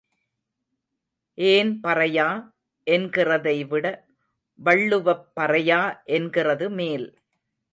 ஏன் பறையா என்கிறதைவிட வள்ளுவப் பறையா என்கிறது மேல்.